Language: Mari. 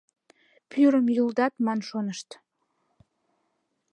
Пӱрым йӱлдат ман шонышт.